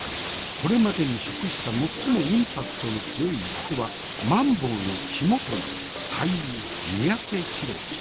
これまでに食した最もインパクトの強いあてはマンボウの肝という俳優三宅弘城。